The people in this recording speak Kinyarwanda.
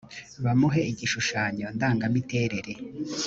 bamuhe igishushanyo ndangamiterere